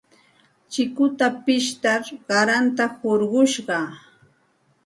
Chikuta pishtar qaranta hurqushqaa.